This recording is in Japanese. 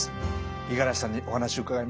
五十嵐さんにお話伺いました。